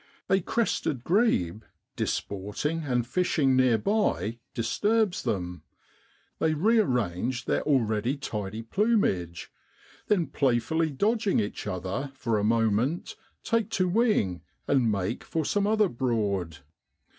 A crested grebe, disporting and fishing near by, disturbs them; NOVEMBER IN BROADLAND. 121 they rearrange their already tidy plumage, then playfully dodging each other for a moment, take to wing, and make for some other Broad.